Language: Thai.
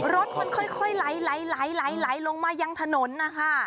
รถมันค่อยไหลลงมายังถนนนะคะ